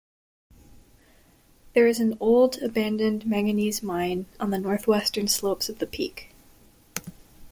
There is an old, abandoned manganese mine on the northwestern slopes of the peak.